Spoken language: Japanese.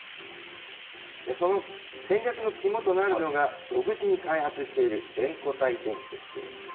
その戦略の肝となるのが、独自に開発している全固体電池です。